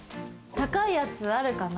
高いやつあるかな？